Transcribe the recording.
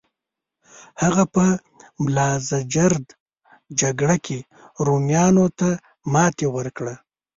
هغه په ملازجرد جګړه کې رومیانو ته ماتې ورکړه.